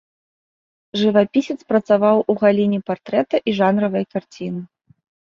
Жывапісец, працаваў у галіне партрэта і жанравай карціны.